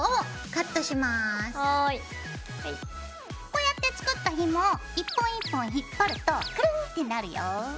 こうやって作ったひもを一本一本引っ張るとクルンってなるよ。